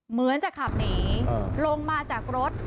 เหมือนจะขับหนีลงมาจากรถ